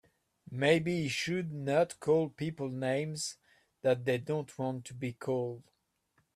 Maybe he should not call people names that they don't want to be called.